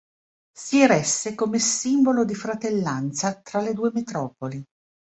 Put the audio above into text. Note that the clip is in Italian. Si eresse come simbolo di fratellanza tra le due metropoli.